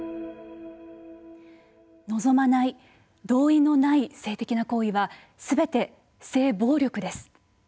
望まない、同意のない性的な行為はすべて性暴力です。